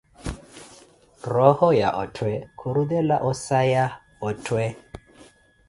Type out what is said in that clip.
Rooho ya Othwe khurutela osaya, otthwe.